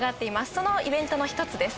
そのイベントの一つです